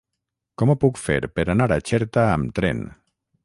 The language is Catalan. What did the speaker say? Com ho puc fer per anar a Xerta amb tren?